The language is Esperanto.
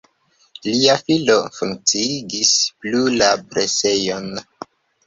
Lia filo funkciigis plu la presejon.